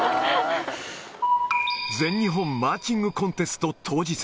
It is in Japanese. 全日本マーチングコンテスト当日。